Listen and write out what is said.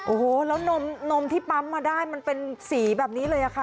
โอ้โหแล้วนมที่ปั๊มมาได้มันเป็นสีแบบนี้เลยค่ะ